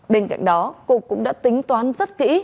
bên cạnh đó cục cũng đã tính toán rất kỹ